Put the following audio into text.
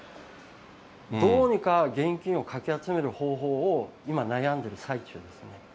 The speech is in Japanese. どうにか現金をかき集める方法を今、悩んでる最中です。